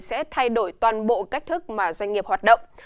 sẽ thay đổi toàn bộ cách thức mà doanh nghiệp hoạt động